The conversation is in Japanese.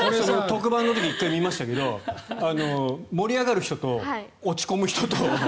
特番の時、１回見ましたけど盛り上がる人と、落ち込む人と。